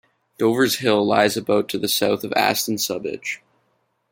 Dover's Hill lies about to the south of Aston Subedge.